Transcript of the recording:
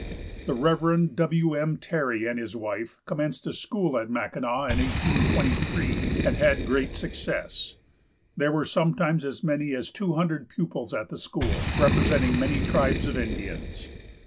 The Rev. W. M. Terry, with his wife, commenced a school at Mackinaw in 1823, and had great success. There were sometimes as many as two hundred pupils at the school, representing many tribes of Indians.